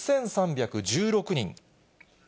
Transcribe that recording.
６３１６人。